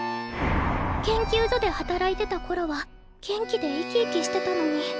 研究所で働いてたころは元気で生き生きしてたのに。